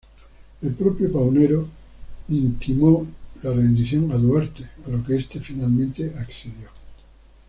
El propio Paunero intimó la rendición a Duarte, a lo que este finalmente accedió.